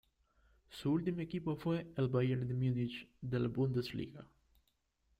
Su último equipo fue el Bayern de Múnich de la Bundesliga.